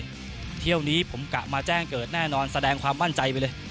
เที่ยวนี้ผมกะมาแจ้งเกิดแน่นอนแสดงความมั่นใจไปเลย